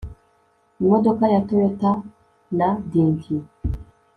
Imodoka ya toyota na Dinky